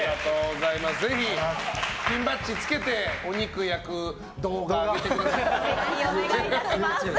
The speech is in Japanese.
ぜひピンバッジつけてお肉を焼く動画上げてください。